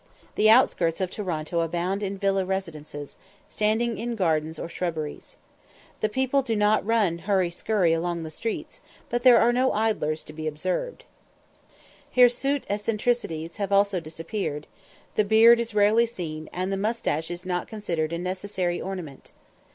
The outskirts of Toronto abound in villa residences, standing in gardens or shrubberies. The people do not run "hurry skurry" along the streets, but there are no idlers to be observed. Hirsute eccentricities have also disappeared; the beard is rarely seen, and the moustache is not considered a necessary ornament.